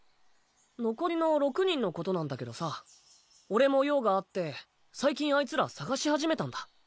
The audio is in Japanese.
残りの六人のことなんだけどさ俺も用があって最近あいつら捜しはじめたんだ。